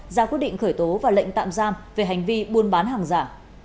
ra quyết định khởi tố và lệnh tạm giam về hành vi buôn bán hàng giả